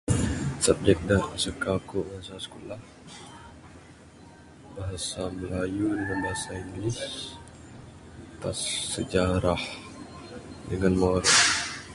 Subject da suka aku masa skulah Bahasa melayu ngan bahasa english pas sejarah dangan moral.